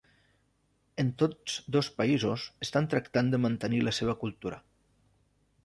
En tots dos països estan tractant de mantenir la seva cultura.